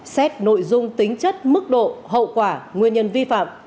xét nội dung tính chất mức độ hậu quả nguyên nhân vi phạm